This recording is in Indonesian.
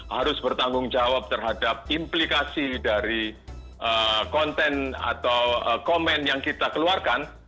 harus bertanggung jawab terhadap implikasi dari konten atau komen yang kita keluarkan